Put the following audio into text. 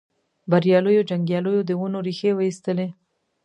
بریالیو جنګیالیو د ونو ریښې وایستلې.